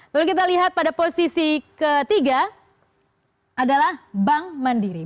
lalu kita lihat pada posisi ketiga adalah bank mandiri